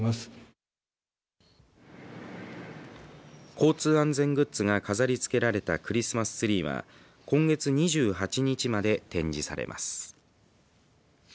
交通安全グッズが飾り付けられたクリスマスツリーは今月２８日まで展示されます。